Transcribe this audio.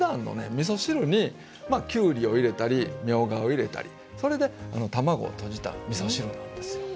みそ汁にきゅうりを入れたりみょうがを入れたりそれで卵をとじたらみそ汁なんですよ。